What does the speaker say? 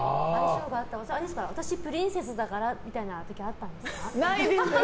私、プリンセスだからみたいな時あったんですか？